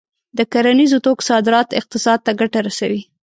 د کرنیزو توکو صادرات اقتصاد ته ګټه رسوي.